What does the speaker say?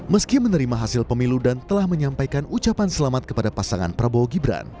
meski menerima hasil pemilu dan telah menyampaikan ucapan selamat kepada pasangan prabowo gibran